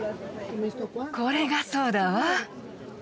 これがそうだわ。